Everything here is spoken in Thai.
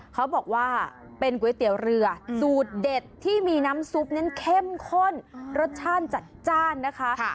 เขาบอกว่าเป็นก๋วยเตี๋ยวเรือสูตรเด็ดที่มีน้ำซุปนั้นเข้มข้นรสชาติจัดจ้านนะคะ